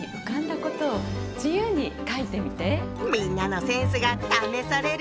みんなのセンスが試されるねぇ。